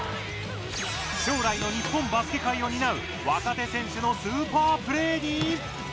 将来の日本バスケ界を担う若手選手のスーパープレーに。